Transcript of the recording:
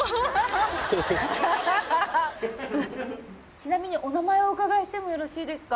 ちなみにお名前をお伺いしてもよろしいですか？